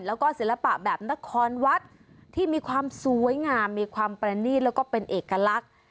แล้วก็ศิลปะแบบนครวัดที่มีความสวยงามมีความประนีตแล้วก็เป็นเอกลักษณ์